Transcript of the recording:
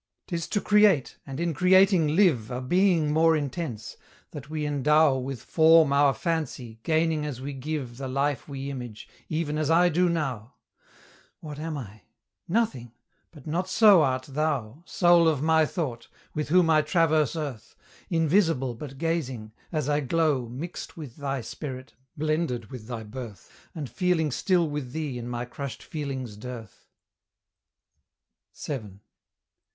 'Tis to create, and in creating live A being more intense, that we endow With form our fancy, gaining as we give The life we image, even as I do now. What am I? Nothing: but not so art thou, Soul of my thought! with whom I traverse earth, Invisible but gazing, as I glow Mixed with thy spirit, blended with thy birth, And feeling still with thee in my crushed feelings' dearth. VII.